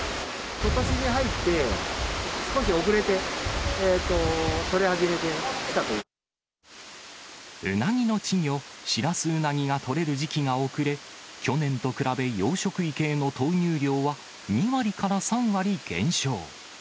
ことしに入って、少し遅れて、うなぎの稚魚、しらすうなぎが取れる時期が遅れ、去年と比べ、養殖池への投入量は、２割から３割減少。